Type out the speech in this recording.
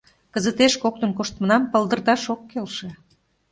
Кызытеш коктын коштмынам палдырташ ок келше...